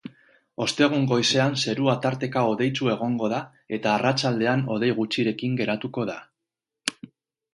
Ostegun goizean zerua tarteka hodeitsu egongo da eta arratsaldean hodei gutxirekin geratuko da.